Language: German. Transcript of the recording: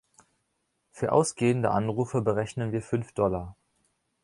Für ausgehende Anrufe berechnen wir fünf Dollar.